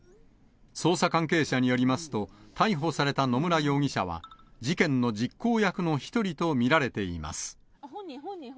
捜査関係者によりますと、逮捕された野村容疑者は、事件の実行役の１人と見られています。